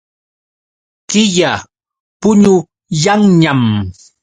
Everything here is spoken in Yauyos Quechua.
Killa puñuyanñam.